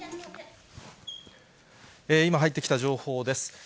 今入ってきた情報です。